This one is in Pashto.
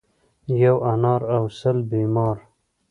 ـ یو انار او سل بیمار.